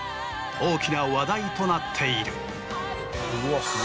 大きな話題となっている。